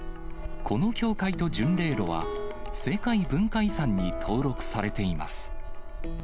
この教会と巡礼路は、世界文化遺産に登録されています。